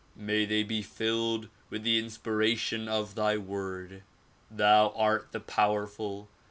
May they be filled with the inspiration of thy Word. Thou art the powerful!